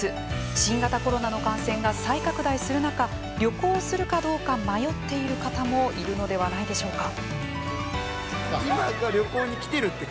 新型コロナの感染が再拡大する中、旅行するかどうか迷っている方もいるのではないでしょうか。